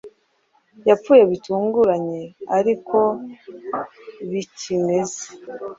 Yapfuye bitunguranye ari ko bikimeze